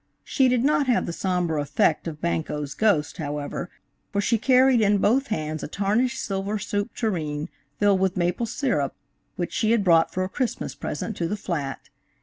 She did not have the sombre effect of Banquo's ghost, however, for she carried in both hands a tarnished silver soup tureen filled with maple syrup, which she had brought for a Christmas present to the flat.